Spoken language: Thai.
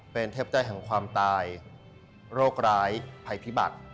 เป็นเทพใจแห่งความตายโรคร้ายภัยพิบัติ